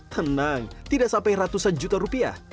tenang tidak sampai ratusan juta rupiah